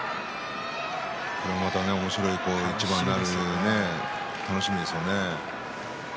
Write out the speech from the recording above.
これまたおもしろい一番になる楽しみな一番ですね。